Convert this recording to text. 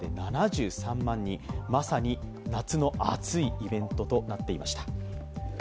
まさに夏の熱いイベントとなっていました。